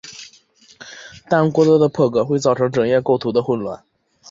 但过多的破格会造成整页构图的混乱。